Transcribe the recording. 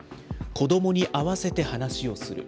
子どもに合わせて話をする。